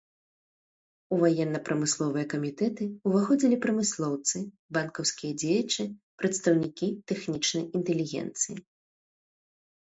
У ваенна-прамысловыя камітэты ўваходзілі прамыслоўцы, банкаўскія дзеячы, прадстаўнікі тэхнічнай інтэлігенцыі.